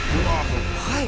はい。